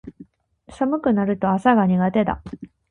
寒くなると朝が苦手だ